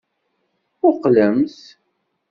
Mmuqqlemt.